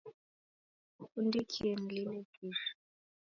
Sikundikie nilile kisha.